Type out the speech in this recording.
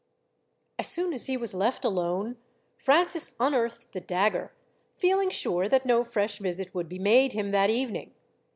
As soon as he was left alone, Francis unearthed the dagger, feeling sure that no fresh visit would be made him that evening.